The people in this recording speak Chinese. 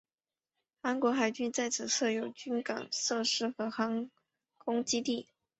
韩国海军在此设有军港设施和航空基地。